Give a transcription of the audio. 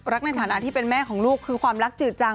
ในฐานะที่เป็นแม่ของลูกคือความรักจืดจัง